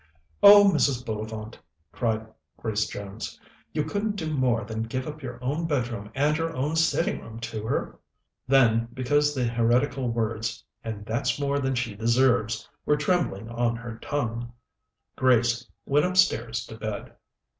"Oh, Mrs. Bullivant!" cried Grace Jones. "You couldn't do more than give up your own bedroom and your own sitting room to her?" Then, because the heretical words "And that's more than she deserves," were trembling on her tongue, Grace went upstairs to bed.